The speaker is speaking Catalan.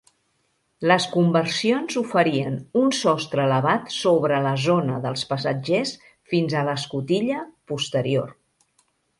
Les conversions oferien un sostre elevat sobre la zona dels passatgers fins a l'escotilla posterior.